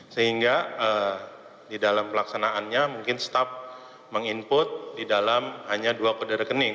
sehingga di dalam pelaksanaannya mungkin staff meng input di dalam hanya dua kode rekening